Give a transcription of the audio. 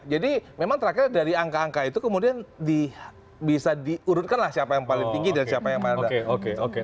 jadi memang terakhir dari angka angka itu kemudian bisa diurutkan lah siapa yang paling tinggi dan siapa yang paling rendah